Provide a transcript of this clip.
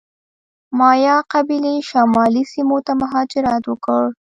مایا قبیلې شمالي سیمو ته مهاجرت وکړ.